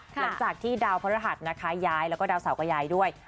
หลังจากที่ดาวพระรหัสนะคะย้ายแล้วก็ดาวเสาร์กระยายด้วย